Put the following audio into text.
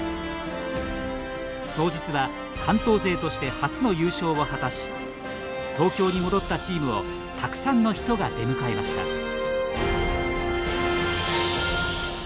早実は関東勢として初の優勝を果たし東京に戻ったチームをたくさんの人が出迎えました。